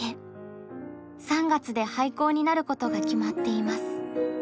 ３月で廃校になることが決まっています。